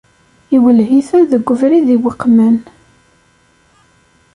Iwelleh-iten deg ubrid iweqmen.